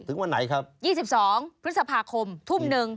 วันไหนครับ๒๒พฤษภาคมทุ่มหนึ่ง